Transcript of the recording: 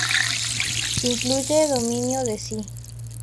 Incluye dominio de sí.